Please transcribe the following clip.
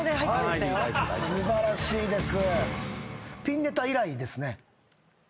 素晴らしいです。